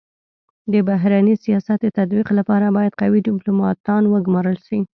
د بهرني سیاست د تطبیق لپاره بايد قوي ډيپلوماتان و ګمارل سي.